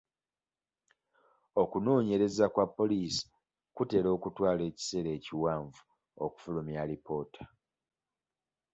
Okunoonyereza kwa poliisi kutera okutwala ekisera ekiwanvu okufulumya alipoota.